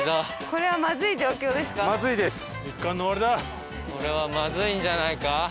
これはまずいんじゃないか？